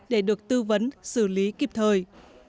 để được tư vấn xử lý kịp thời